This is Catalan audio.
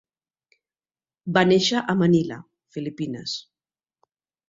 Va néixer a Manila, Filipines.